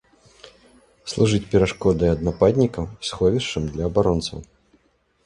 Служыць перашкодай ад нападнікаў і сховішчам для абаронцаў.